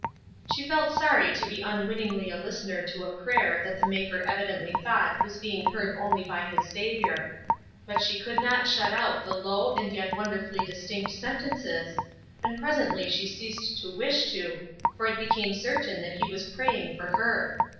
She felt sorry to be unwittingly a listener to a prayer that the maker evidently thought was being heard only by his Savior. But she could not shut out the low and yet wonderfully distinct sentences, and presently she ceased to wish to, for it became certain that he was praying for her.